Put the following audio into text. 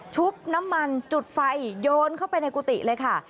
บน้ำมันจุดไฟโยนเข้าไปในกุฏิเลยค่ะ